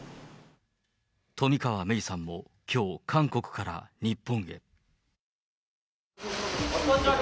冨川芽生さんもきょう、韓国から日本へ。